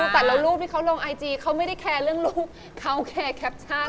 แต่ละรูปที่เขาลงไอจีเขาไม่ได้แคร์เรื่องรูปเขาแคร์แคปชั่น